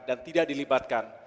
dan tidak dilibatkan